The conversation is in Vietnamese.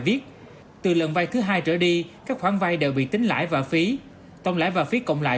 viết từ lần vay thứ hai trở đi các khoản vay đều bị tính lãi và phí tổng lãi và phí cộng lại